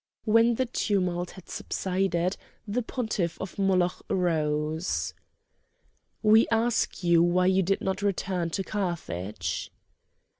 When the tumult had subsided, the pontiff of Moloch rose: "We ask you why you did not return to Carthage?"